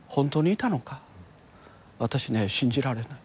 私ね信じられない。